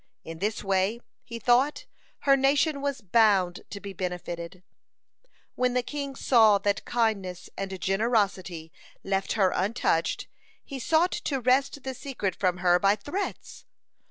In this way, he thought, her nation was bound to be benefited. (84) When the king saw that kindness and generosity left her untouched, he sought to wrest the secret from her by threats.